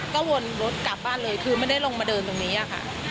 ก็วนรถกลับบ้านเลยคือไม่ได้ลงมาเดินตรงนี้ค่ะ